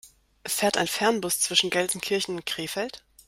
Fährt ein Fernbus zwischen Gelsenkirchen und Krefeld?